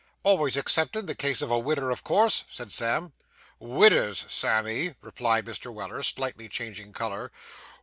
'Always exceptin' the case of a widder, of course,' said Sam. 'Widders, Sammy,' replied Mr. Weller, slightly changing colour.